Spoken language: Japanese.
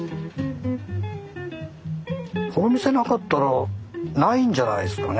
この店なかったらないんじゃないんですかね？